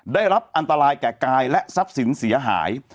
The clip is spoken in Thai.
ได้รับอันตรายแก่กายและทรัพย์สินเสียหาย